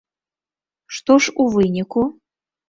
Што ж у выніку?